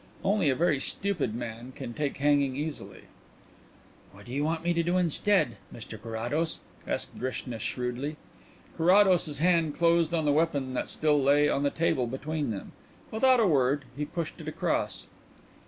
Only a very stupid man can take hanging easily." "What do you want me to do instead, Mr Carrados?" asked Drishna shrewdly. Carrados's hand closed on the weapon that still lay on the table between them. Without a word he pushed it across.